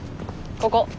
ここ。